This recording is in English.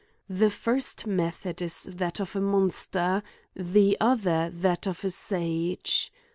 The first method is that of a monster ; the other that of a sage.